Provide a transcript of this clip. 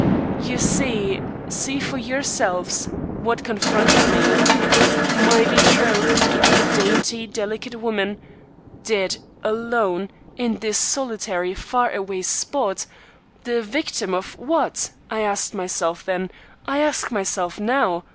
"You see see for yourselves what confronted me. My betrothed a dainty, delicate woman dead alone in this solitary, far away spot the victim of what? I asked myself then I ask myself now.